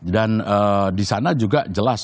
dan disana juga jelas